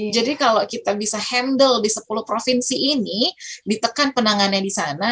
jadi kalau kita bisa handle di sepuluh provinsi ini ditekan penangannya di sana